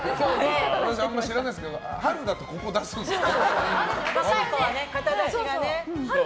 僕、あまり知らないですけど春だとここ出すんですか？